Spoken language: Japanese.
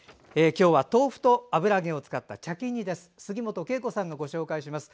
今日は豆腐と油揚げを使った茶巾煮です。